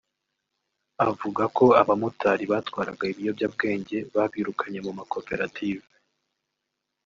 avuga ko abamotari batwaraga ibiyobyabwenge babirukanye mu makoperative